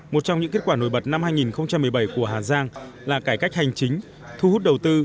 một trong những kết quả nổi bật năm hai nghìn một mươi bảy của hà giang là cải cách hành chính thu hút đầu tư